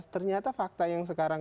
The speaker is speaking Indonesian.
ternyata fakta yang sekarang